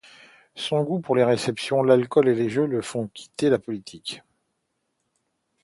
Son goût pour les réceptions, l'alcool et les jeux le font quitter la politique.